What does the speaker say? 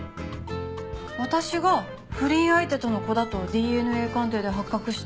私が不倫相手との子だとＤＮＡ鑑定で発覚して。